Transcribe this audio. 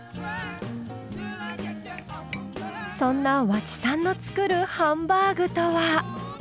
そんな和知さんの作るハンバーグとは？